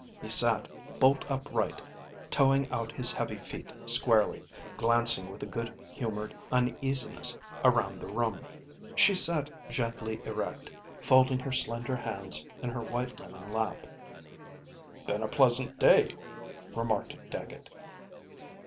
He sat bolt upright, toeing out his heavy feet squarely, glancing with a good humored uneasiness around the room. She sat gently erect, folding her slender hands in her white linen lap. "Been a pleasant day," remarked Dagget.